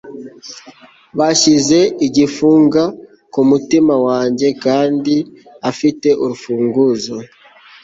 bashyize igifunga kumutima wanjye kandi afite urufunguzo